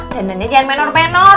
dandan nya jangan menor menor